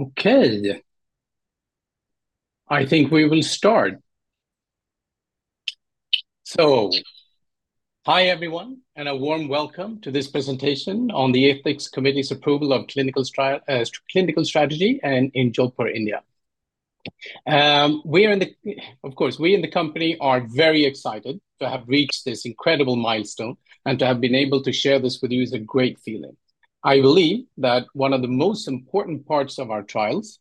Okay, I think we will start. Hi, everyone, and a warm welcome to this presentation on the Ethics Committee's approval of clinical strategy in Jodhpur, India. Of course, we, in the company, are very excited to have reached this incredible milestone, and to have been able to share this with you is a great feeling. I believe that one of the most important parts of our trials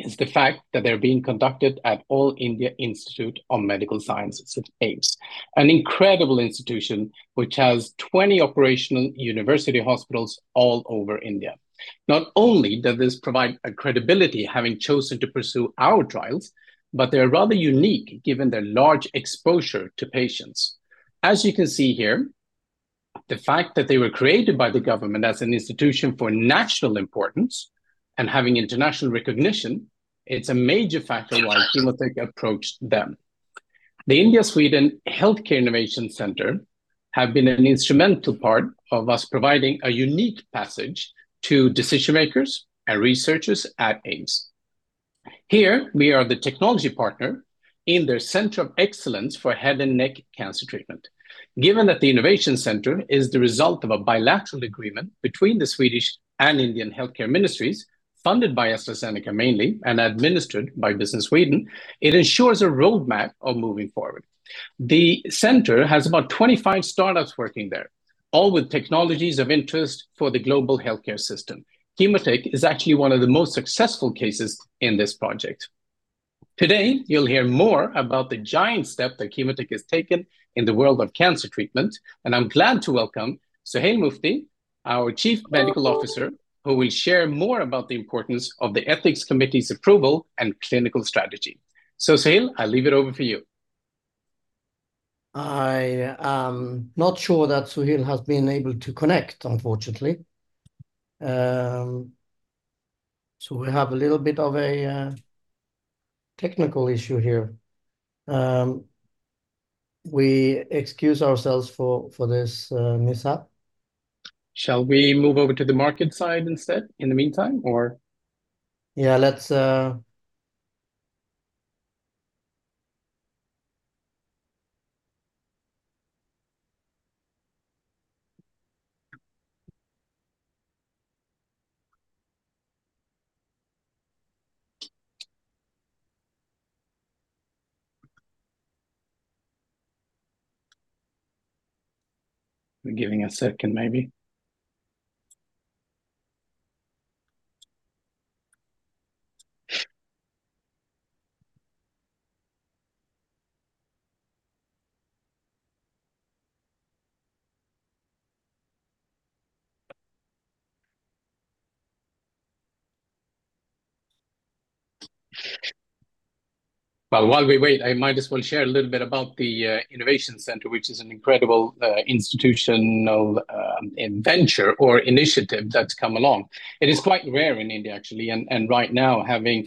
is the fact that they're being conducted at All India Institute of Medical Sciences, AIIMS, an incredible institution which has 20 operational university hospitals all over India. Not only does this provide a credibility, having chosen to pursue our trials, but they're rather unique, given their large exposure to patients. As you can see here, the fact that they were created by the government as an institution for national importance and having international recognition, it's a major factor why ChemoTech approached them. The India-Sweden Healthcare Innovation Centre have been an instrumental part of us providing a unique passage to decision-makers and researchers at AIIMS. Here, we are the technology partner in their Center of Excellence for Head and Neck Cancer Treatment. Given that the innovation center is the result of a bilateral agreement between the Swedish and Indian healthcare ministries, funded by AstraZeneca mainly, and administered by Business Sweden, it ensures a roadmap of moving forward. The center has about 25 startups working there, all with technologies of interest for the global healthcare system. ChemoTech is actually one of the most successful cases in this project. Today, you'll hear more about the giant step that ChemoTech has taken in the world of cancer treatment, and I'm glad to welcome Suhail Mufti, our Chief Medical Officer, who will share more about the importance of the ethics committee's approval and clinical strategy. So Suhail, I leave it over for you. I am not sure that Suhail has been able to connect, unfortunately. We have a little bit of a technical issue here. We excuse ourselves for this mishap. Shall we move over to the market side instead in the meantime, or? Yeah, let's... We're giving a second, maybe. Well, while we wait, I might as well share a little bit about the innovation center, which is an incredible institutional venture or initiative that's come along. It is quite rare in India, actually, and right now, having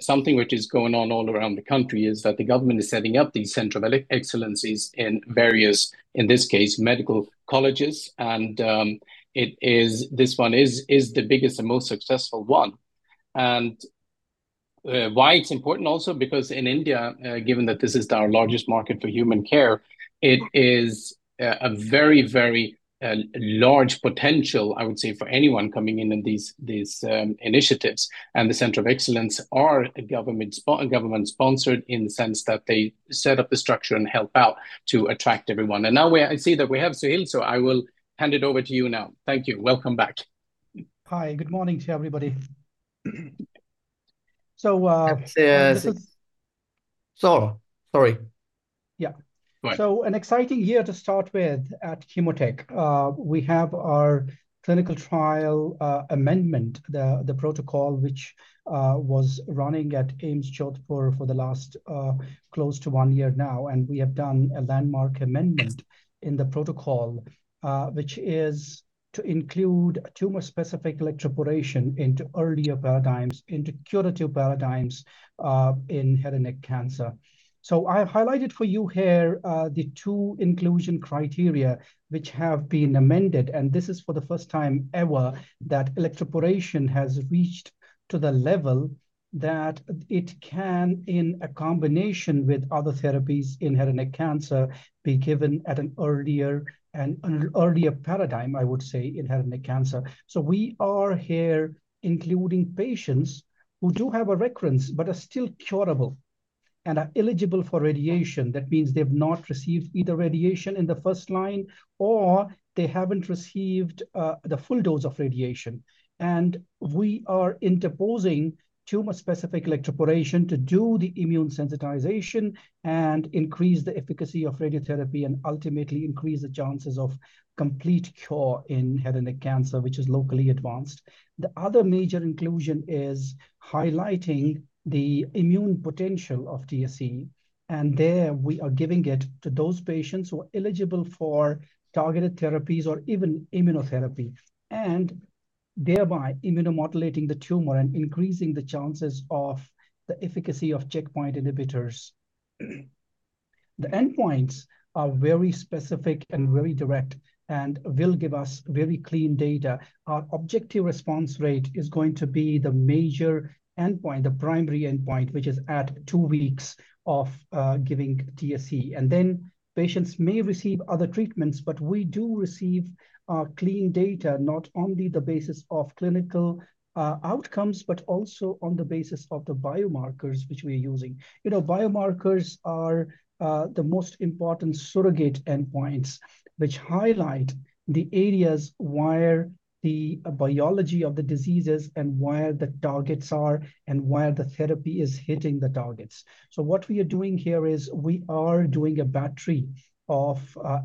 something which is going on all around the country, is that the government is setting up these centers of excellence in various, in this case, medical colleges. And it is this one is the biggest and most successful one. And why it's important also, because in India, given that this is our largest market for human care, it is a very, very large potential, I would say, for anyone coming in, in these initiatives. The Center of Excellence are a government-sponsored in the sense that they set up the structure and help out to attract everyone. Now I see that we have Suhail, so I will hand it over to you now. Thank you. Welcome back. Hi, good morning to everybody. So, this is- So... Sorry. Yeah. Right. So an exciting year to start with at ChemoTech. We have our clinical trial amendment, the protocol which was running at AIIMS Jodhpur for the last close to one year now, and we have done a landmark amendment in the protocol, which is to include Tumour Specific Electroporation into earlier paradigms, into curative paradigms, in head and neck cancer. So I have highlighted for you here the two inclusion criteria which have been amended, and this is for the first time ever that electroporation has reached to the level that it can, in combination with other therapies in head and neck cancer, be given at an earlier and an earlier paradigm, I would say, in head and neck cancer. So we are here including patients who do have a recurrence, but are still curable and are eligible for radiation. That means they've not received either radiation in the first line, or they haven't received the full dose of radiation. And we are interposing Tumour Specific Electroporation to do the immune sensitization and increase the efficacy of radiotherapy, and ultimately increase the chances of complete cure in head and neck cancer, which is locally advanced. The other major inclusion is highlighting the immune potential of TSE, and there we are giving it to those patients who are eligible for targeted therapies or even immunotherapy, and thereby immunomodulating the tumor and increasing the chances of the efficacy of checkpoint inhibitors.... The endpoints are very specific and very direct, and will give us very clean data. Our objective response rate is going to be the major endpoint, the primary endpoint, which is at two weeks of giving TSE. And then patients may receive other treatments, but we do receive clean data, not only the basis of clinical outcomes, but also on the basis of the biomarkers which we are using. You know, biomarkers are the most important surrogate endpoints, which highlight the areas where the biology of the diseases and where the targets are, and where the therapy is hitting the targets. So what we are doing here is, we are doing a battery of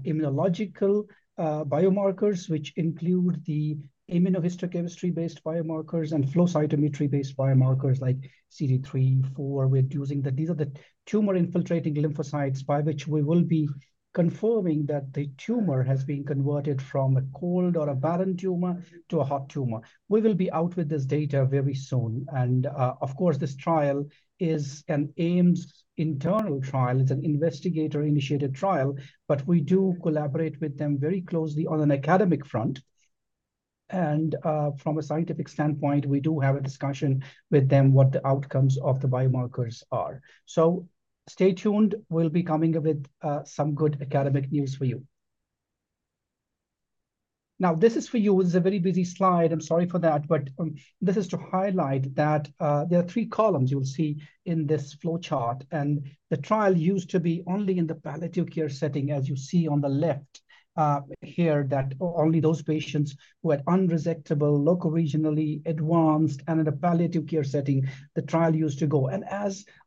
immunological biomarkers, which include the immunohistochemistry-based biomarkers and flow cytometry-based biomarkers like CD34. We're using these are the tumor-infiltrating lymphocytes by which we will be confirming that the tumor has been converted from a cold or a barren tumor to a hot tumor. We will be out with this data very soon, and of course, this trial is an AIIMS internal trial. It's an Investigator-Initiated Trial, but we do collaborate with them very closely on an academic front. From a scientific standpoint, we do have a discussion with them, what the outcomes of the biomarkers are. So stay tuned, we'll be coming up with some good academic news for you. Now, this is for you. This is a very busy slide. I'm sorry for that, but this is to highlight that there are three columns you'll see in this flowchart, and the trial used to be only in the palliative care setting, as you see on the left, here, that only those patients who had unresectable, loco-regionally advanced, and in a palliative care setting, the trial used to go.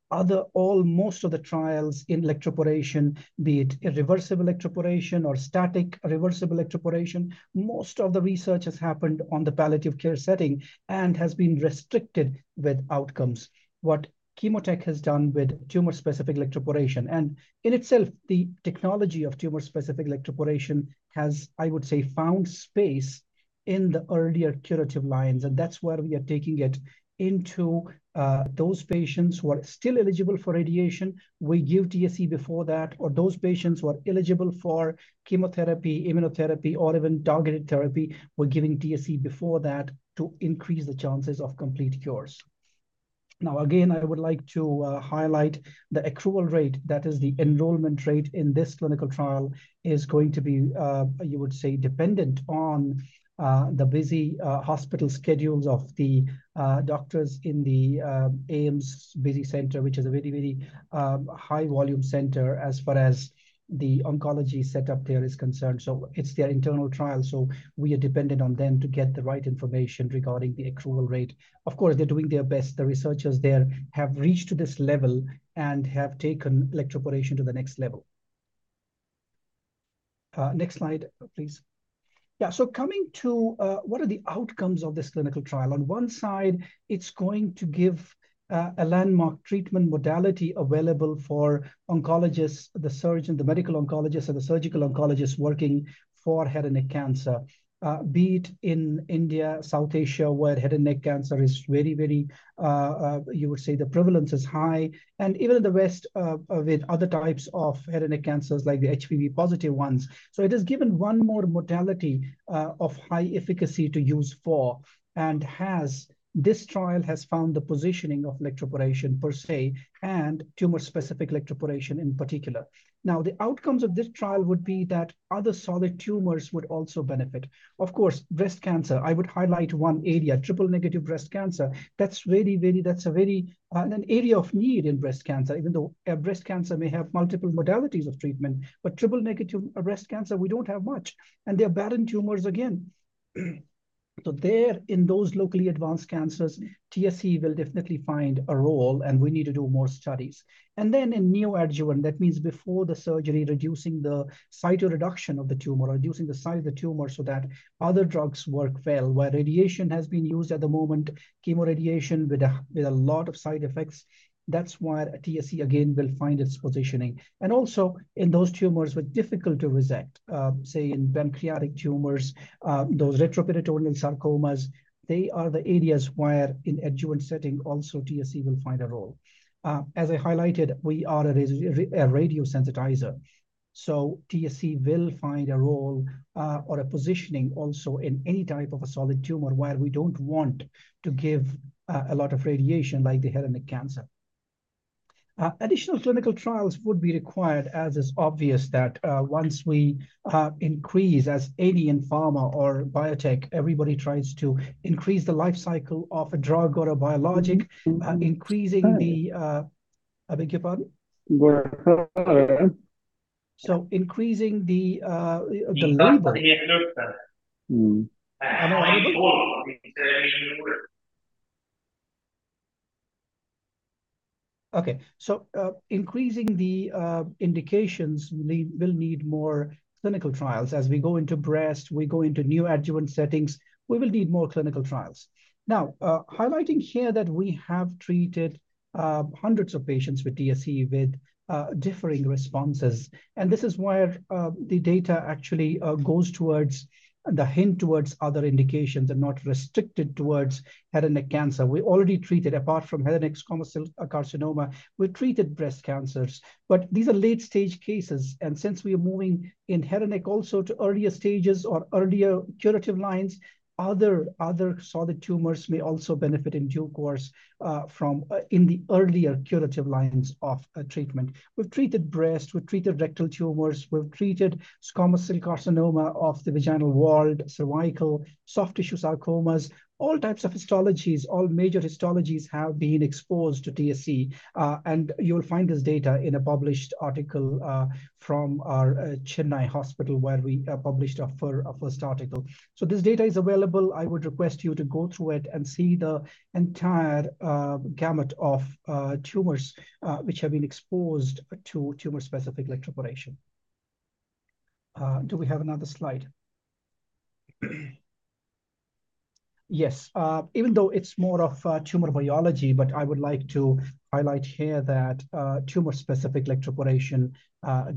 All, most of the trials in electroporation, be it irreversible electroporation or static reversible electroporation, most of the research has happened on the palliative care setting and has been restricted with outcomes. What ChemoTech has done with Tumour Specific Electroporation, and in itself, the technology of Tumour Specific Electroporation has, I would say, found space in the earlier curative lines, and that's where we are taking it into those patients who are still eligible for radiation. We give TSE before that, or those patients who are eligible for chemotherapy, immunotherapy, or even targeted therapy, we're giving TSE before that to increase the chances of complete cures. Now, again, I would like to highlight the accrual rate, that is, the enrollment rate in this clinical trial is going to be, you would say, dependent on the busy hospital schedules of the doctors in the AIIMS busy center, which is a very, very high-volume center as far as the oncology setup there is concerned. So it's their internal trial, so we are dependent on them to get the right information regarding the accrual rate. Of course, they're doing their best. The researchers there have reached to this level and have taken electroporation to the next level. Next slide, please. Yeah, so coming to what are the outcomes of this clinical trial? On one side, it's going to give a landmark treatment modality available for oncologists, the surgeon, the medical oncologist, and the surgical oncologist working for head and neck cancer, be it in India, South Asia, where head and neck cancer is very, very... You would say the prevalence is high, and even in the West, with other types of head and neck cancers, like the HPV-positive ones. So it has given one more modality of high efficacy to use for, and has, this trial has found the positioning of electroporation per se and Tumour Specific Electroporation in particular. Now, the outcomes of this trial would be that other solid tumors would also benefit. Of course, breast cancer. I would highlight one area, triple-negative breast cancer. That's very, very, that's a very, an area of need in breast cancer, even though, breast cancer may have multiple modalities of treatment, but triple-negative breast cancer, we don't have much, and they are barren tumors again. So there, in those locally advanced cancers, TSE will definitely find a role, and we need to do more studies. Then in neoadjuvant, that means before the surgery, reducing the cytoreduction of the tumor, reducing the size of the tumor so that other drugs work well, where radiation has been used at the moment, chemoradiation with a lot of side effects. That's where TSE, again, will find its positioning. Also, in those tumors with difficult to resect, say, in pancreatic tumors, those retroperitoneal sarcomas, they are the areas where in adjuvant setting, also TSE will find a role. As I highlighted, we are a radio sensitizer, so TSE will find a role or a positioning also in any type of a solid tumor, where we don't want to give a lot of radiation, like the head and neck cancer. Additional clinical trials would be required, as is obvious, that once we increase as any pharma or biotech, everybody tries to increase the life cycle of a drug or a biologic, increasing the, I beg your pardon?... Okay, so, increasing the indications, we will need more clinical trials. As we go into breast, we go into neoadjuvant settings, we will need more clinical trials. Now, highlighting here that we have treated hundreds of patients with TSE with differing responses, and this is where the data actually hints towards other indications and not restricted towards head and neck cancer. We already treated, apart from head and neck squamous cell carcinoma, we treated breast cancers. But these are late-stage cases, and since we are moving in head and neck also to earlier stages or earlier curative lines, other solid tumors may also benefit in due course from in the earlier curative lines of treatment. We've treated breast, we've treated rectal tumors, we've treated squamous cell carcinoma of the vaginal wall, cervical, soft tissue sarcomas, all types of histologies, all major histologies have been exposed to TSE. And you'll find this data in a published article from our Chennai hospital, where we published our first article. So this data is available. I would request you to go through it and see the entire gamut of tumors which have been exposed to Tumour Specific Electroporation. Do we have another slide? Yes, even though it's more of tumor biology, but I would like to highlight here that Tumour Specific Electroporation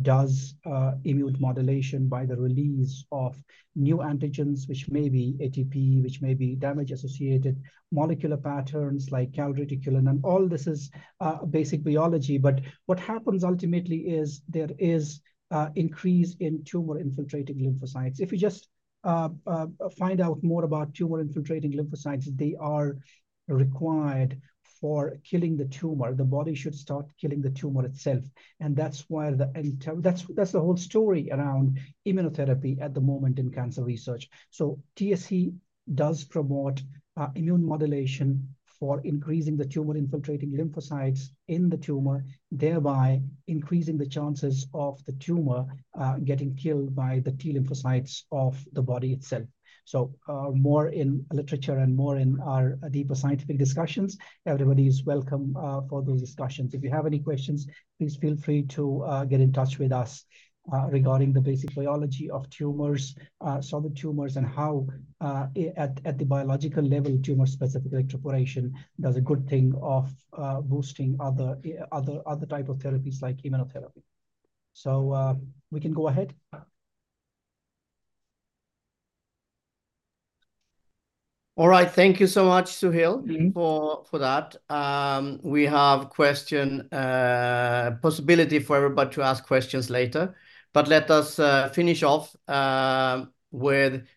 does immune modulation by the release of new antigens, which may be ATP, which may be damage-associated molecular patterns, like calreticulin. And all this is basic biology, but what happens ultimately is there is an increase in tumor-infiltrating lymphocytes. If you just find out more about tumor-infiltrating lymphocytes, they are required for killing the tumor. The body should start killing the tumor itself, and that's why the... And that's the whole story around immunotherapy at the moment in cancer research. TSE does promote immunomodulation for increasing the tumor-infiltrating lymphocytes in the tumor, thereby increasing the chances of the tumor getting killed by the T lymphocytes of the body itself. More in literature and more in our deeper scientific discussions, everybody is welcome for those discussions. If you have any questions, please feel free to get in touch with us regarding the basic biology of tumors, solid tumors, and how at the biological level Tumour Specific electroporation does a good thing of boosting other type of therapies, like immunotherapy. So, we can go ahead. All right. Thank you so much, Suhail- Mm-hmm. for, for that. We have question, possibility for everybody to ask questions later. But let us, finish off, with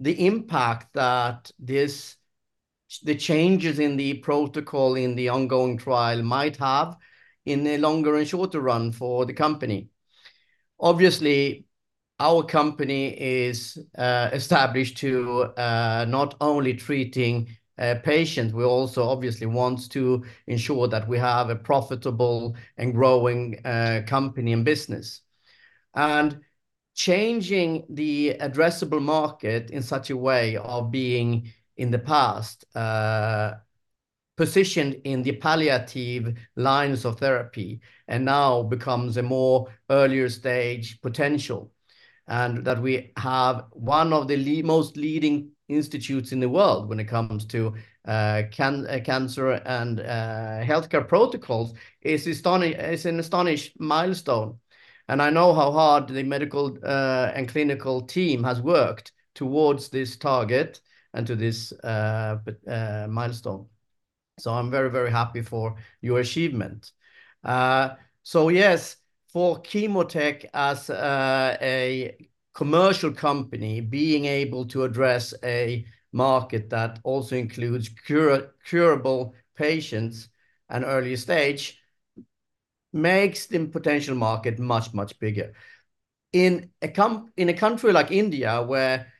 the impact that this, the changes in the protocol in the ongoing trial might have in the longer and shorter run for the company. Obviously, our company is, established to, not only treating, patients, we also obviously want to ensure that we have a profitable and growing, company and business. And changing the addressable market in such a way of being, in the past, positioned in the palliative lines of therapy, and now becomes a more earlier-stage potential, and that we have one of the lead- most leading institutes in the world when it comes to, cancer and, healthcare protocols, is aston... It's an astounding milestone, and I know how hard the medical and clinical team has worked towards this target and to this milestone. So I'm very, very happy for your achievement. So yes, for ChemoTech, as a commercial company, being able to address a market that also includes curable, curable patients at an earlier stage, makes the potential market much, much bigger. In a country like India, where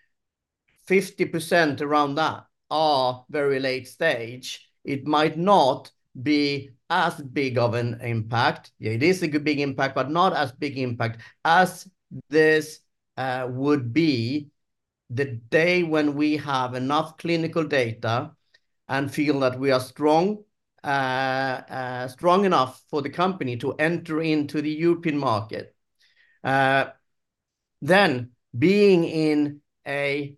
50%, around that, are very late stage, it might not be as big of an impact. It is a big impact, but not as big impact as this would be the day when we have enough clinical data and feel that we are strong enough for the company to enter into the European market. Then, being in a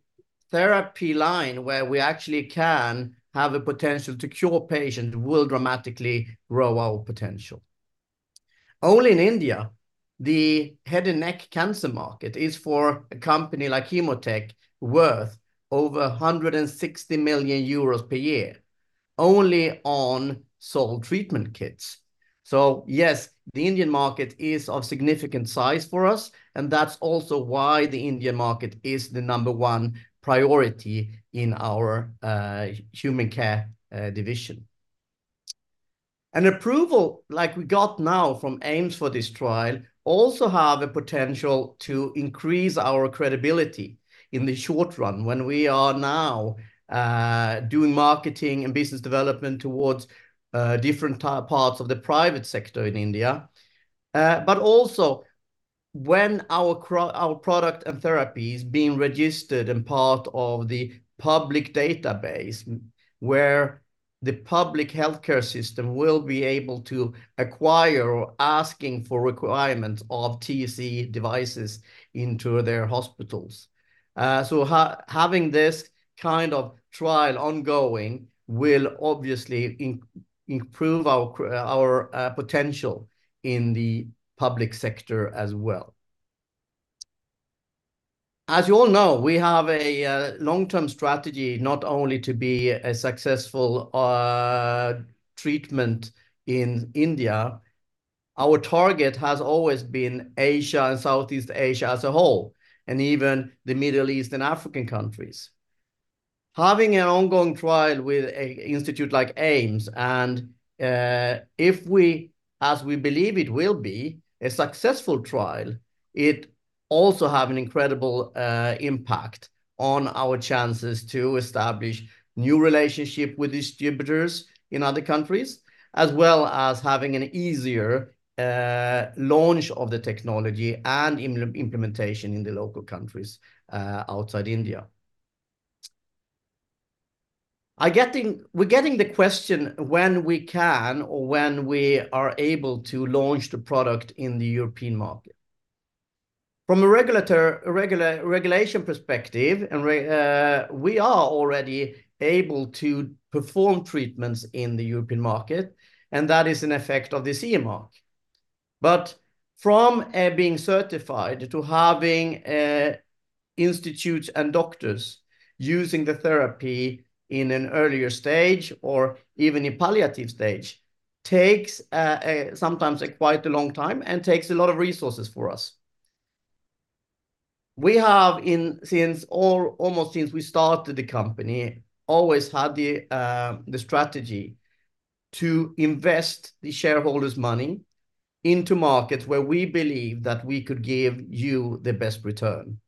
therapy line where we actually can have a potential to cure patients will dramatically grow our potential. Only in India, the head and neck cancer market is, for a company like ChemoTech, worth over 160 million euros per year, only on sold treatment kits. So yes, the Indian market is of significant size for us, and that's also why the Indian market is the number one priority in our Human Care division. An approval like we got now from AIIMS for this trial also have a potential to increase our credibility in the short run when we are now doing marketing and business development towards different parts of the private sector in India. But also-... When our product and therapy is being registered and part of the public database, where the public healthcare system will be able to acquire or asking for requirements of TSE devices into their hospitals. So having this kind of trial ongoing will obviously improve our potential in the public sector as well. As you all know, we have a long-term strategy, not only to be a successful treatment in India. Our target has always been Asia and Southeast Asia as a whole, and even the Middle East and African countries. Having an ongoing trial with an institute like AIIMS and, if we, as we believe it will be, a successful trial, it also have an incredible impact on our chances to establish new relationship with distributors in other countries, as well as having an easier launch of the technology and implementation in the local countries outside India. We're getting the question when we can or when we are able to launch the product in the European market. From a regulation perspective, we are already able to perform treatments in the European market, and that is an effect of this CE mark. But from being certified to having institutes and doctors using the therapy in an earlier stage or even in palliative stage takes sometimes quite a long time, and takes a lot of resources for us. We have since almost we started the company always had the strategy to invest the shareholders' money into markets where we believe that we could give you the best return.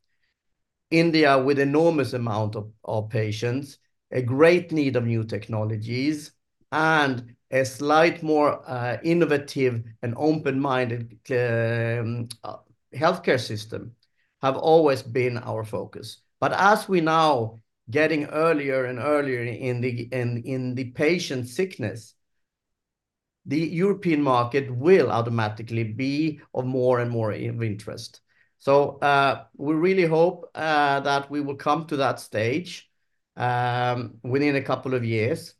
India, with enormous amount of patients, a great need of new technologies, and a slight more innovative and open-minded healthcare system, have always been our focus. But as we now getting earlier and earlier in the patient sickness, the European market will automatically be of more and more of interest. So, we really hope that we will come to that stage within a couple of years,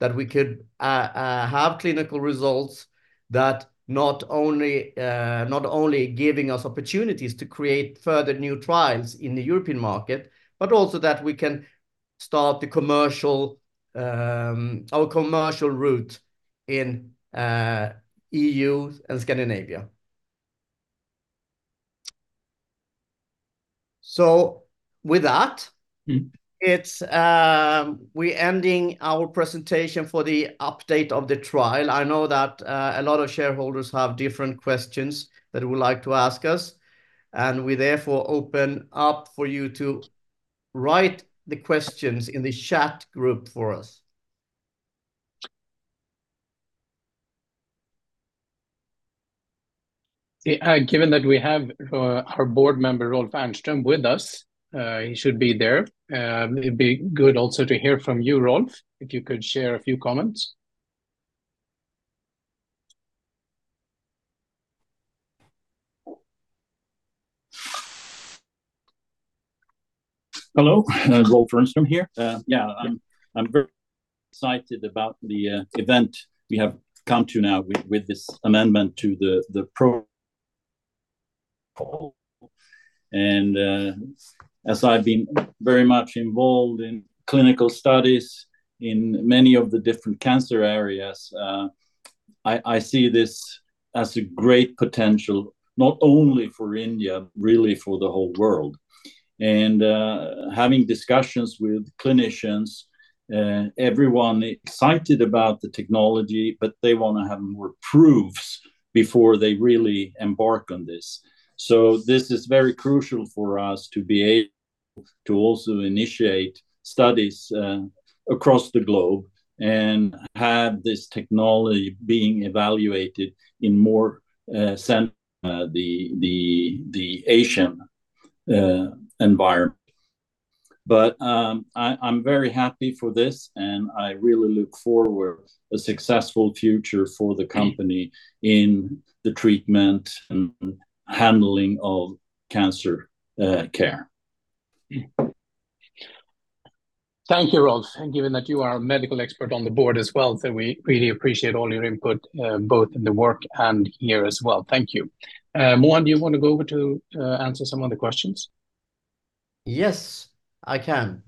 that we could have clinical results that not only, not only giving us opportunities to create further new trials in the European market, but also that we can start the commercial, our commercial route in EU and Scandinavia. So, with that- Mm ... it's, we ending our presentation for the update of the trial. I know that, a lot of shareholders have different questions that they would like to ask us, and we therefore open up for you to write the questions in the chat group for us. Yeah, given that we have our board member, Rolf Ehrnström, with us, he should be there. It'd be good also to hear from you, Rolf, if you could share a few comments. Hello, Rolf Ehrnström here. Yeah, I'm very excited about the event we have come to now with this amendment to the prospectus. And, as I've been very much involved in clinical studies in many of the different cancer areas, I see this as a great potential, not only for India, really for the whole world. And, having discussions with clinicians, everyone excited about the technology, but they want to have more proofs before they really embark on this. So this is very crucial for us to be able to also initiate studies across the globe and have this technology being evaluated in more, the Asian environment. But, I'm very happy for this, and I really look forward to a successful future for the company. Mm... in the treatment and handling of cancer, care. Thank you, Rolf, and given that you are a medical expert on the board as well, so we really appreciate all your input, both in the work and here as well. Thank you. Mohan, do you want to go over to, answer some of the questions? Yes, I can.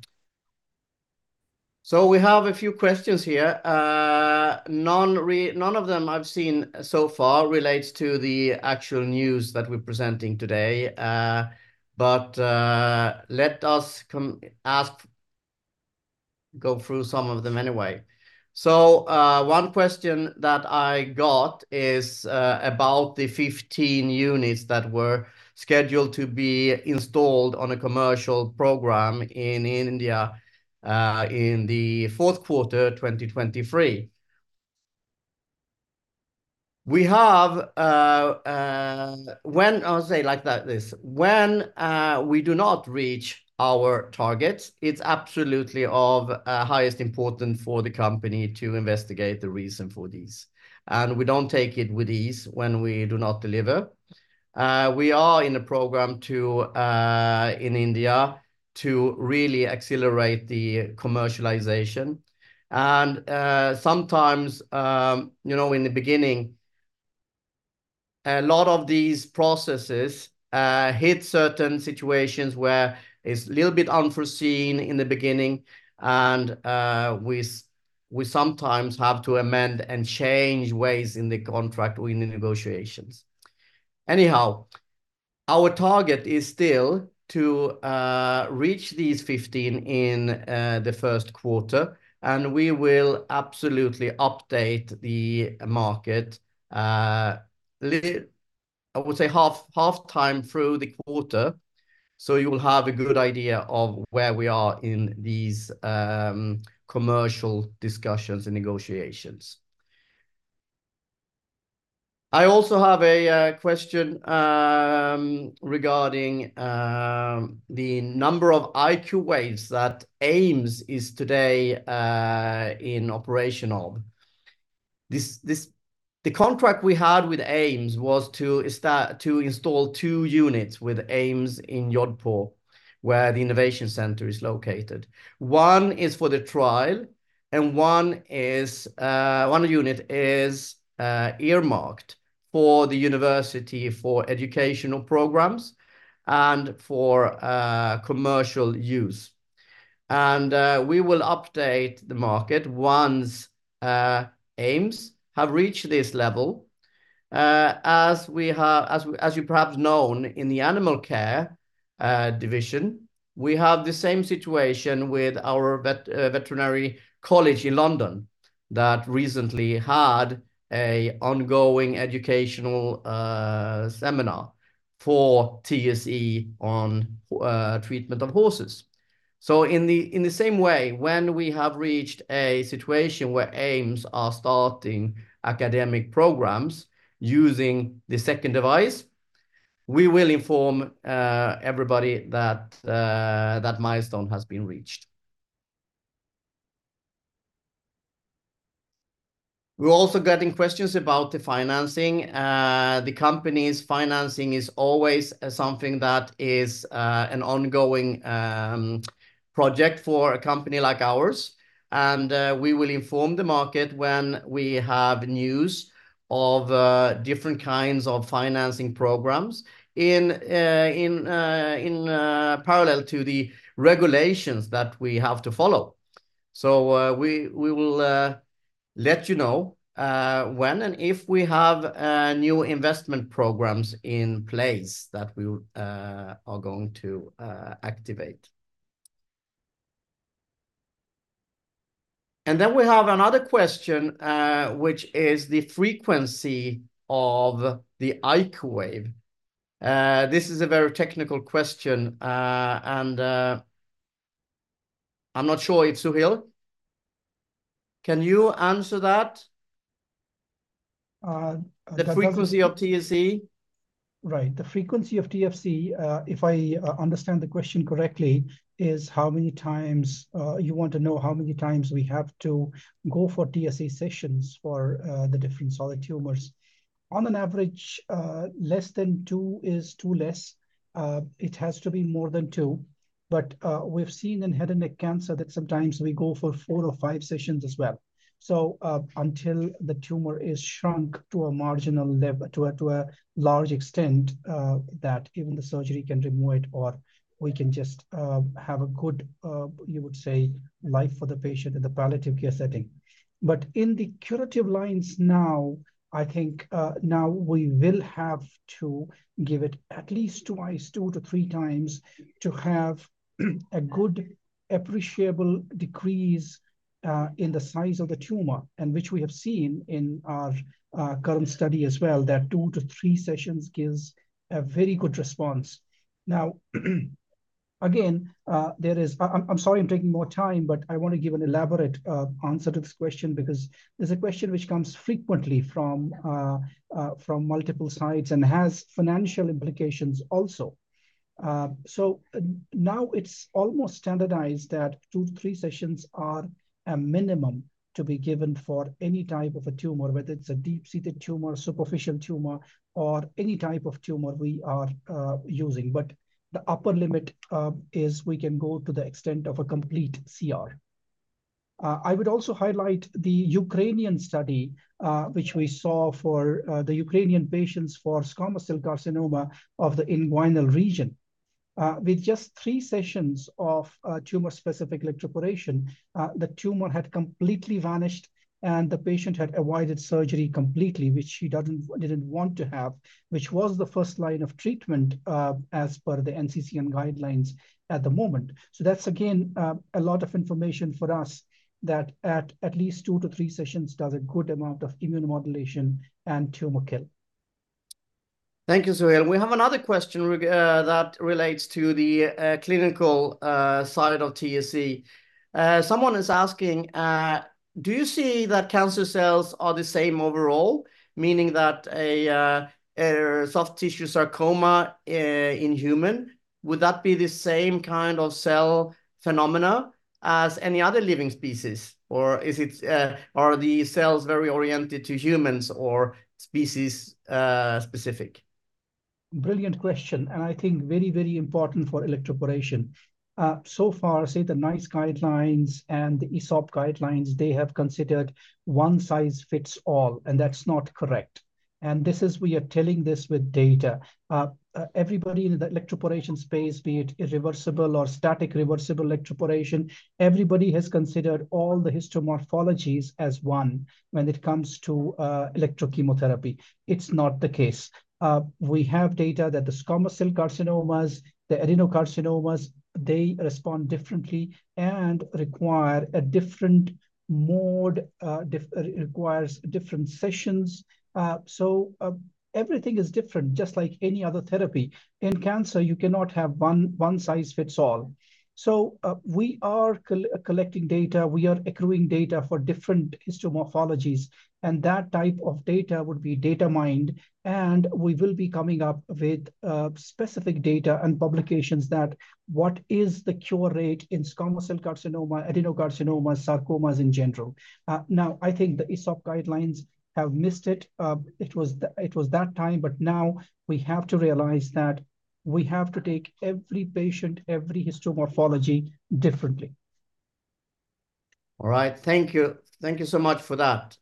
So we have a few questions here. None of them I've seen so far relates to the actual news that we're presenting today. But let us go through some of them anyway. So, one question that I got is about the 15 units that were scheduled to be installed on a commercial program in India, in the fourth quarter 2023. We have, when I'll say it like that, this, when we do not reach our targets, it's absolutely of highest importance for the company to investigate the reason for these, and we don't take it with ease when we do not deliver. We are in a program to in India to really accelerate the commercialization, and sometimes, you know, in the beginning, a lot of these processes hit certain situations where it's a little bit unforeseen in the beginning, and we sometimes have to amend and change ways in the contract or in the negotiations. Anyhow, our target is still to reach these 15 in the first quarter, and we will absolutely update the market. I would say half, half time through the quarter, so you will have a good idea of where we are in these commercial discussions and negotiations. I also have a question regarding the number of IQwaves that AIIMS is today in operational. The contract we had with AIIMS was to install two units with AIIMS in Jodhpur, where the innovation center is located. One is for the trial, and one unit is earmarked for the university for educational programs and for commercial use. And we will update the market once AIIMS have reached this level. As we have, as you perhaps know in the Animal Care division, we have the same situation with our veterinary college in London, that recently had an ongoing educational seminar for TSE on treatment of horses. So in the same way, when we have reached a situation where AIIMS are starting academic programs using the second device, we will inform everybody that that milestone has been reached. We're also getting questions about the financing. The company's financing is always something that is an ongoing project for a company like ours, and we will inform the market when we have news of different kinds of financing programs in parallel to the regulations that we have to follow. So, we will let you know when and if we have new investment programs in place that we are going to activate. And then we have another question, which is the frequency of the IQwave. This is a very technical question, and I'm not sure if, Suhail, can you answer that? Uh, that- The frequency of TSE. Right, the frequency of TSE, if I understand the question correctly, is how many times you want to know how many times we have to go for TSE sessions for the different solid tumors. On average, less than two is too less. It has to be more than two, but we've seen in head and neck cancer that sometimes we go for four or five sessions as well. So, until the tumor is shrunk to a marginal level to a large extent, that even the surgery can remove it, or we can just have a good, you would say, life for the patient in the palliative care setting. But in the curative lines now, I think, now we will have to give it at least twice, 2-3x, to have a good, appreciable decrease, in the size of the tumor, and which we have seen in our, current study as well, that two to three sessions gives a very good response. Now, again, there is... I'm sorry I'm taking more time, but I want to give an elaborate, answer to this question because it's a question which comes frequently from, from multiple sides and has financial implications also. So now it's almost standardized that two to three sessions are a minimum to be given for any type of a tumor, whether it's a deep-seated tumor, superficial tumor, or any type of tumor we are, using. But the upper limit is we can go to the extent of a complete CR. I would also highlight the Ukrainian study, which we saw for the Ukrainian patients for squamous cell carcinoma of the inguinal region. With just three sessions of Tumour Specific Electroporation, the tumor had completely vanished, and the patient had avoided surgery completely, which she didn't want to have, which was the first line of treatment as per the NCCN Guidelines at the moment. So that's, again, a lot of information for us, that at least two to three sessions does a good amount of immune modulation and tumor kill. ... Thank you, Suhail. We have another question regarding that relates to the clinical side of TSE. Someone is asking: Do you see that cancer cells are the same overall, meaning that a soft tissue sarcoma in human would that be the same kind of cell phenomena as any other living species? Or is it, are the cells very oriented to humans or species-specific? Brilliant question, and I think very, very important for electroporation. So far, say, the NICE Guidelines and the ESOPE Guidelines, they have considered one size fits all, and that's not correct, and this is, we are telling this with data. Everybody in the electroporation space, be it irreversible or static reversible electroporation, everybody has considered all the histomorphologies as one when it comes to electrochemotherapy. It's not the case. We have data that the squamous cell carcinomas, the adenocarcinomas, they respond differently and require a different mode, requires different sessions. So, everything is different, just like any other therapy. In cancer, you cannot have one, one size fits all. So, we are collecting data, we are accruing data for different histomorphologies, and that type of data would be data mined, and we will be coming up with, specific data and publications that what is the cure rate in squamous cell carcinoma, adenocarcinoma, sarcomas in general. Now, I think the ESOPE Guidelines have missed it. It was that time, but now we have to realize that we have to take every patient, every histomorphology differently. All right, thank you. Thank you so much for that.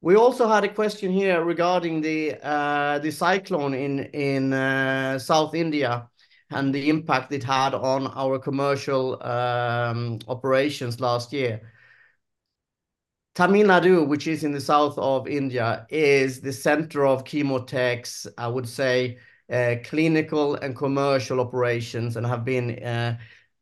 We also had a question here regarding the cyclone in South India and the impact it had on our commercial operations last year. Tamil Nadu, which is in the south of India, is the center of ChemoTech, I would say, clinical and commercial operations, and have been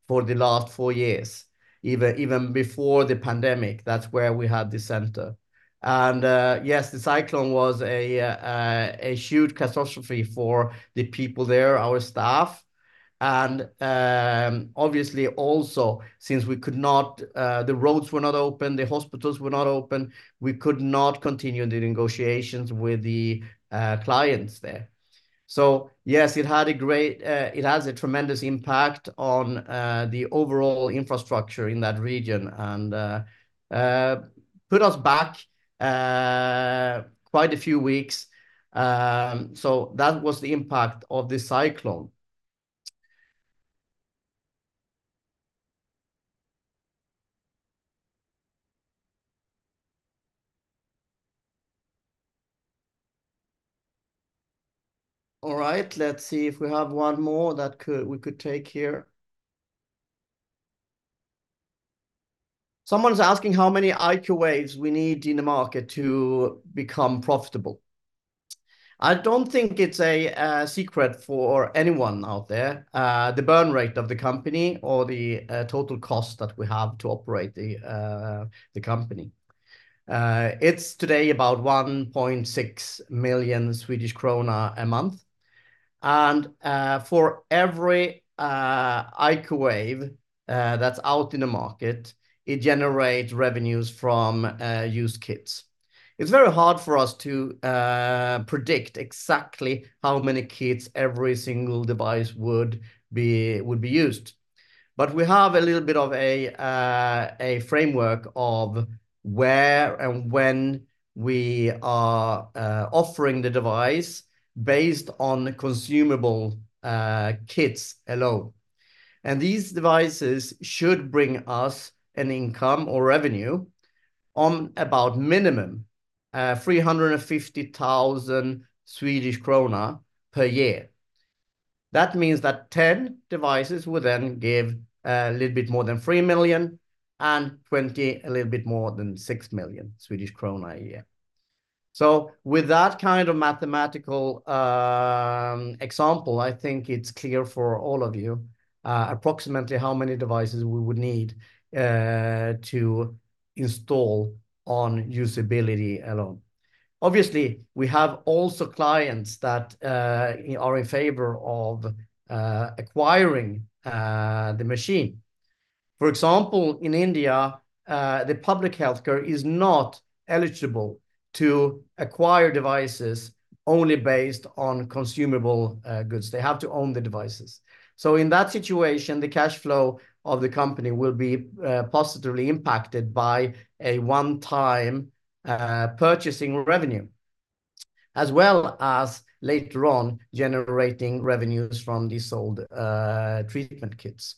for the last four years. Even, even before the pandemic, that's where we had the center. And, yes, the cyclone was a huge catastrophe for the people there, our staff, and, obviously, also, since we could not. The roads were not open, the hospitals were not open, we could not continue the negotiations with the clients there. So yes, it has a tremendous impact on the overall infrastructure in that region and put us back quite a few weeks. So that was the impact of the cyclone. All right, let's see if we have one more that we could take here. Someone's asking how many IQwaves we need in the market to become profitable. I don't think it's a secret for anyone out there, the burn rate of the company or the total cost that we have to operate the company. It's today about 1.6 million Swedish krona a month, and for every IQwave that's out in the market, it generates revenues from used kits. It's very hard for us to predict exactly how many kits every single device would be, would be used. But we have a little bit of a framework of where and when we are offering the device, based on consumable kits alone. And these devices should bring us an income or revenue on about minimum 350,000 Swedish krona per year. That means that 10 devices would then give a little bit more than 3 million, and 20, a little bit more than 6 million Swedish krona a year. So with that kind of mathematical example, I think it's clear for all of you approximately how many devices we would need to install on usability alone. Obviously, we have also clients that are in favor of acquiring the machine. For example, in India, the public healthcare is not eligible to acquire devices only based on consumable goods. They have to own the devices. So in that situation, the cash flow of the company will be positively impacted by a one-time purchasing revenue, as well as later on, generating revenues from these sold treatment kits.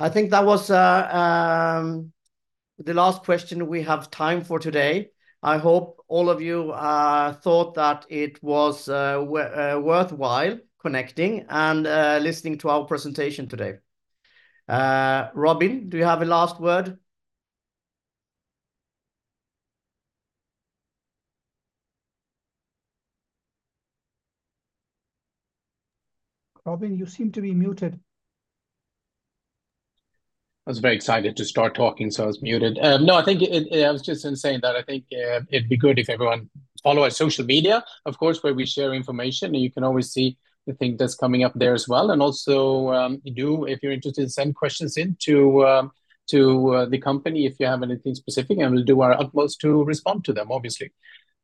I think that was the last question we have time for today. I hope all of you thought that it was worthwhile connecting and listening to our presentation today. Robin, do you have a last word? Robin, you seem to be muted. I was very excited to start talking, so I was muted. No, I think it. I was just saying that I think it'd be good if everyone follow our social media, of course, where we share information, and you can always see the thing that's coming up there as well. And also, if you're interested, send questions in to the company, if you have anything specific, and we'll do our utmost to respond to them, obviously.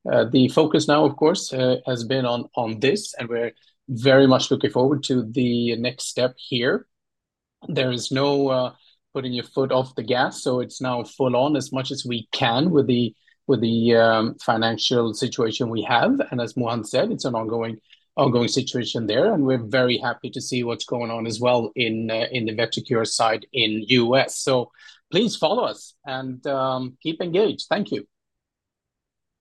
The focus now, of course, has been on this, and we're very much looking forward to the next step here. There is no putting your foot off the gas, so it's now full on as much as we can with the financial situation we have. As Mohan said, it's an ongoing, ongoing situation there, and we're very happy to see what's going on as well in the vetIQure side in U.S. So please follow us, and keep engaged. Thank you.